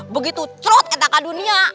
begitu terut kita ke dunia